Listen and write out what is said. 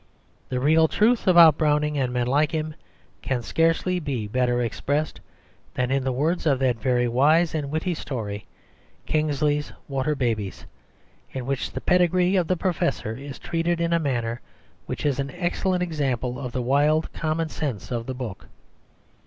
The real truth about Browning and men like him can scarcely be better expressed than in the words of that very wise and witty story, Kingsley's Water Babies, in which the pedigree of the Professor is treated in a manner which is an excellent example of the wild common sense of the book.